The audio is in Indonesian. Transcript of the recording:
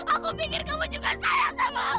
aku pikir kamu juga sayang sama aku